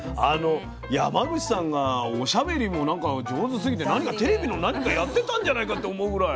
山口さんがおしゃべりも何か上手すぎてテレビの何かやってたんじゃないかって思うぐらい。